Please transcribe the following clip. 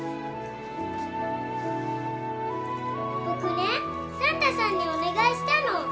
僕ねサンタさんにお願いしたの。